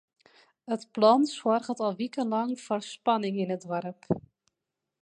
It plan soarget al wikenlang foar spanning yn it doarp.